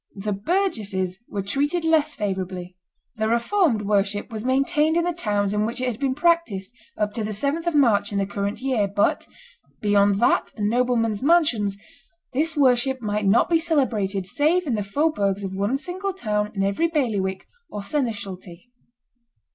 The burgesses were treated less favorably; the Reformed worship was maintained in the towns in which it had been practised up to the 7th of March in the current year; but, beyond that and noblemen's mansions, this worship might not be celebrated save in the faubourgs of one single town in every bailiwick or seneschalty.